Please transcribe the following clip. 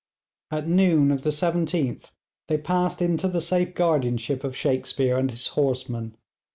At noon of the 17th they passed into the safe guardianship of Shakespear and his horsemen.